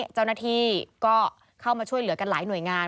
เจ้าหน้าที่ก็เข้ามาช่วยเหลือกันหลายหน่วยงาน